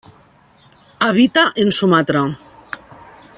Habita en Sumatra.